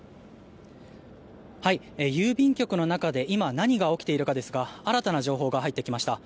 郵便局の中で今何が起きているかですが新たな情報が入ってきました。